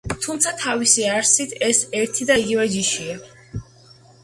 თუმცა, თავისი არსით, ეს ერთი და იგივე ჯიშია.